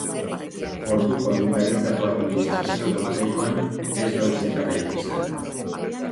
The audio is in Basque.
Portuko agintaritzako administrazio kontseiluan ez da ustekaberik izan.